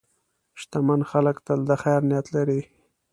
شتمن خلک تل د خیر نیت لري.